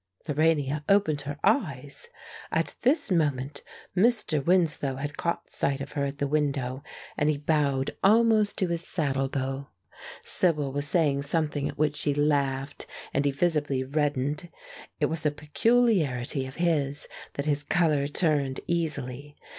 Lorania opened her eyes. At this moment Mr. Winslow had caught sight of her at the window, and he bowed almost to his saddle bow; Sibyl was saying something at which she laughed, and he visibly reddened. It was a peculiarity of his that his color turned easily.